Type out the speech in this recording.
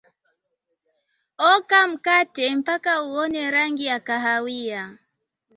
oka mkatempaka uone rangi ya kahawia